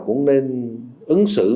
cũng nên ứng xử